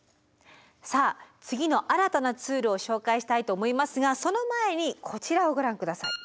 さあ次の新たなツールを紹介したいと思いますがその前にこちらをご覧下さい。